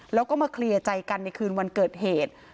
แล้วก็มาเคลียร์ใจกันในคืนวันเกิดเหตุ